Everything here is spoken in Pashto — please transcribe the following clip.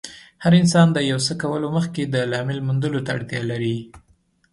هر انسان د يو څه کولو مخکې د لامل موندلو ته اړتیا لري.